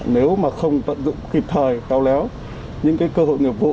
nếu mà không tận dụng kịp thời cao léo những cơ hội nghiệp vụ